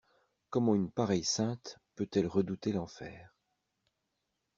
Comment une pareille sainte peut-elle redouter l'enfer?